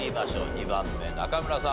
２番目中村さん